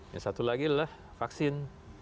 yang satu lagi adalah vaksin